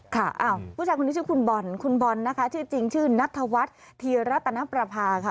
คุณบอลนะคะชื่อฉึนัสถาวัฒนีรัตนประพาค่ะ